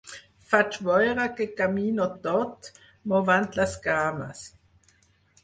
Faig veure que camino tot movent les cames.